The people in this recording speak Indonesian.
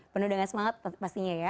penuh dengan semangat pastinya ya